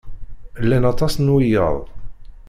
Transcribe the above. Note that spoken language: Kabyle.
Llan aṭas n wiyaḍ.